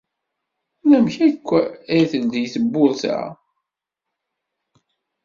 Ulamek akk ara teldey tewwurt-a.